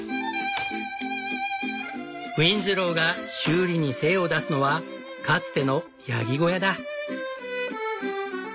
ウィンズローが修理に精を出すのはかつてのヤギ小屋だ。